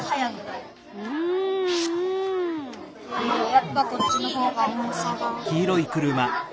やっぱこっちのほうが重さがあって。